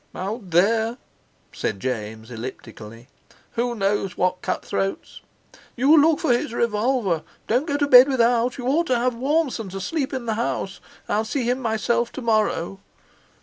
"Out there!" said James elliptically, "who knows what cut throats! You look for his revolver! Don't go to bed without. You ought to have Warmson to sleep in the house. I'll see him myself tomorrow."